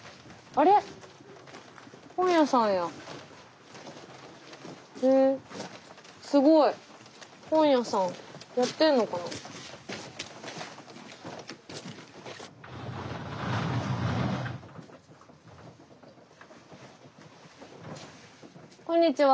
あこんにちは。